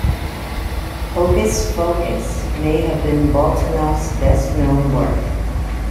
"Hocus-Focus" may have been Boltinoff's best-known work.